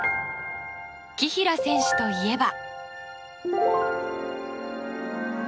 紀平選手といえば。